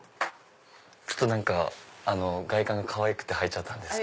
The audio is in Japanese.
外観がかわいくて入ったんです。